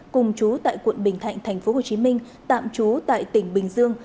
cùng chú tại quận bình thạnh tp hcm tạm trú tại tỉnh bình dương